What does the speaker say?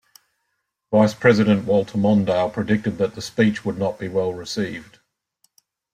Vice President Walter Mondale predicted that the speech would not be well received.